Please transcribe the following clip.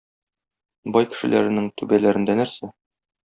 Бай кешеләренең түбәләрендә нәрсә?